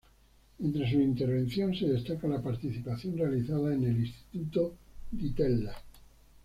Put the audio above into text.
Entre sus intervención se destaca la participación realizada en en el Instituto Di Tella.